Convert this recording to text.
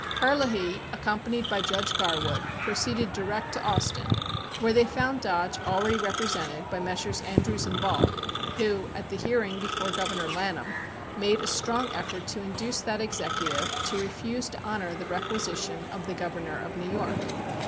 Herlihy, accompanied by Judge Garwood, proceeded direct to Austin where they found Dodge already represented by Messrs. Andrews and Ball who, at the hearing before Governor Lanham, made a strong effort to induce that executive to refuse to honor the requisition of the Governor of New York.